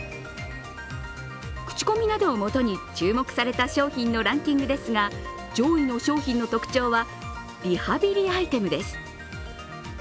口コミなどをもとに注目された商品のランキングですが、上位の商品の特徴はリハビリアイテムです。